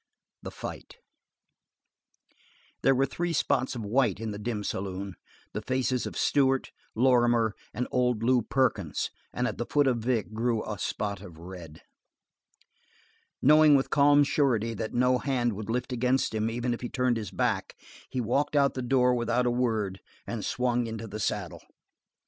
The Fight There were three spots of white in the dim saloon, the faces of Stewart, Lorrimer, and old Lew Perkins, and at the feet of Vic grew a spot of red. Knowing with calm surety that no hand would lift against him even if he turned his back, he walked out the door without a word and swung into the saddle.